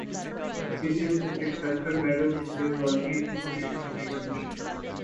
It is the successor medal to the European Community Monitor Mission Medal.